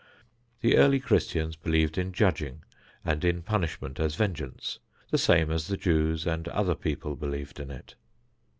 The early Christians believed in judging and in punishment as vengeance, the same as the Jews and other peoples believed in it.